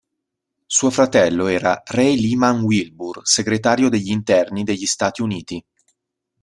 Suo fratello era Ray Lyman Wilbur, segretario degli Interni degli Stati Uniti.